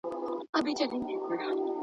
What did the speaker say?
لاري بندي وې له واورو او له خټو !.